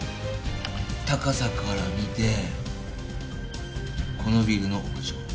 高さから見てこのビルの屋上。